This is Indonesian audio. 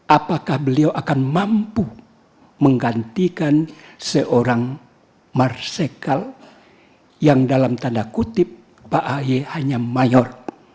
apakah beliau akan mampu menggantikan seorang marsikal yang dalam tanda kutip pak ahy hanya mayor